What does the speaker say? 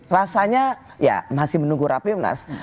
rasanya ya masih menunggu rapim nas